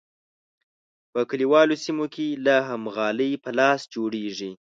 په کلیوالو سیمو کې لا هم غالۍ په لاس جوړیږي.